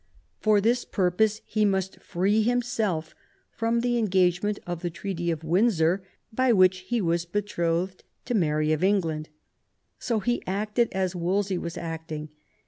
For this purpose he must free himself from the engagement of the treaty of Windsor, by which he was betrothed to Mary of England. So he acted as Wolsey was acting.